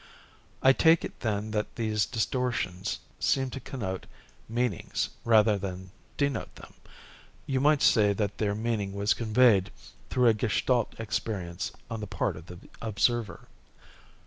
"I take it then that these distortions seemed to connote meanings, rather than denote them. You might say that their meaning was conveyed through a Gestalt experience on the part of the observer."